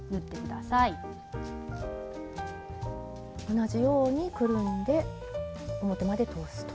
同じようにくるんで表まで通すと。